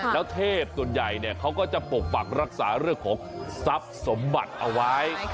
แล้วเทพส่วนใหญ่เขาก็จะปกปักรักษาเรื่องของทรัพย์สมบัติเอาไว้